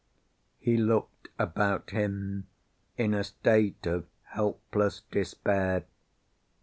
He looked about him in a state of helpless despair.